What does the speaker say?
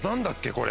これ。